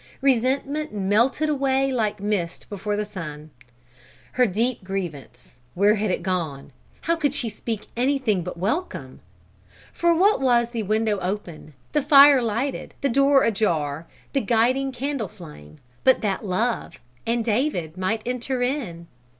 Resentment melted away like mist before the sun. Her deep grievance where had it gone? How could she speak anything but welcome? For what was the window open, the fire lighted, the door ajar, the guiding candle flame, but that Love, and David, might enter in?